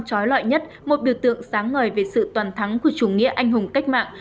trói loại nhất một biểu tượng sáng ngời về sự toàn thắng của chủ nghĩa anh hùng cách mạng